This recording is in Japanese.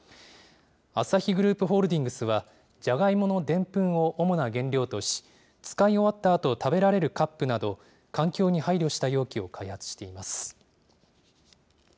アサヒグループホールディングスは、じゃがいものでんぷんを主な原料とし、使い終わったあと食べられるカップなど、環境に配慮した容器を開発しています。